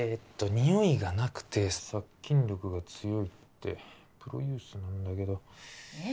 ニオイがなくて殺菌力が強いってプロユースなんだけどえっ